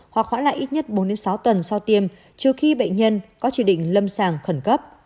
hoặc hoã lại ít nhất bốn sáu tuần sau tiêm trừ khi bệnh nhân có chỉ định lâm sàng khẩn cấp